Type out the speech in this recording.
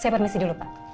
saya permisi dulu pak